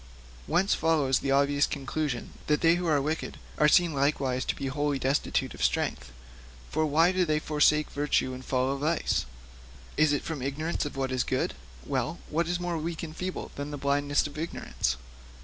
Whence follows the obvious conclusion that they who are wicked are seen likewise to be wholly destitute of strength. For why do they forsake virtue and follow vice? Is it from ignorance of what is good? Well, what is more weak and feeble than the blindness of ignorance?